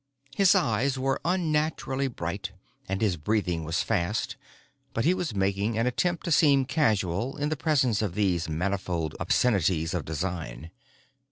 His eyes were unnaturally bright, and his breathing was fast, but he was making an attempt to seem casual in the presence of these manifold obscenities of design.